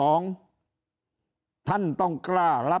ก่อนจะให้เขาเสนอชื่อเป็นแคนดิเดตนายกรัฐมนตรี